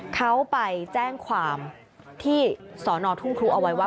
เขาไปแจ้งความที่สอนอทุ่งครูเอาไว้ว่า